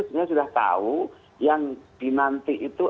sebenarnya sudah tahu yang dinanti itu